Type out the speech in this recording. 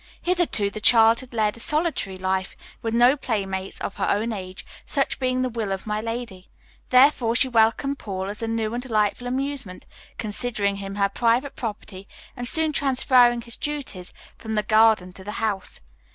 Hitherto the child had led a solitary life, with no playmates of her own age, such being the will of my lady; therefore she welcomed Paul as a new and delightful amusement, considering him her private property and soon transferring his duties from the garden to the house.